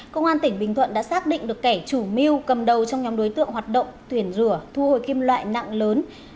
công an tỉnh bình thuận đã xác định được kẻ chủ mưu cầm đầu trong nhóm đối tượng hoạt động tuyển rửa thu hồi kim loại nặng lớn